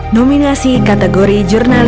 nominasi kategori media ceta terbaik adalah